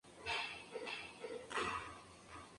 Linda a un Instituto forestal.